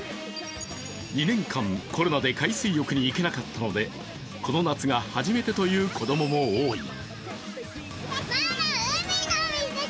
２年間コロナで海水浴に行けなかったので、この夏が初めてという子供も多い。